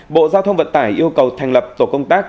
bộ giao thông vận tải yêu cầu thành lập tổ công tác